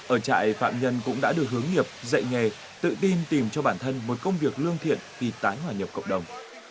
ở trại phạm nhân cũng đã được hướng nghiệp dạy nghề tự tin tìm cho bản thân một công việc lương thiện vì tái hòa nhập cộng đồng